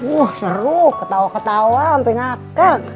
wah seru ketawa ketawa sampe ngakel